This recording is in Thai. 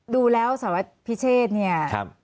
ดูแล้วสารวัตรพิเชษเนี่ย